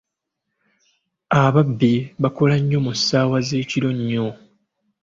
Ababbi bakola nnyo mu ssaawa z'ekiro ennyo.